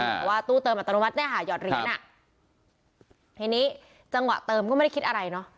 แต่ว่าตู้เติมอัตโนมัติได้หายอดหลีนครับอันนี้จังหวะเติมก็ไม่ได้คิดอะไรเนอะ